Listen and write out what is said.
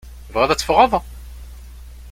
Tebɣiḍ ad teffɣeḍ?